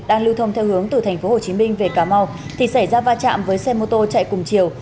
đang lưu thông theo hướng từ tp hcm về cà mau thì xảy ra va chạm với xe mô tô chạy cùng chiều